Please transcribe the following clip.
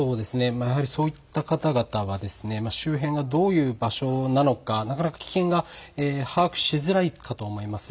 そういった方々は周辺がどういう場所なのかなかなか危険が把握しづらいかと思います。